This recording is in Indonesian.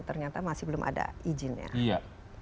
ternyata masih belum ada izinnya